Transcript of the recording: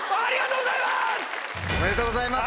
おめでとうございます。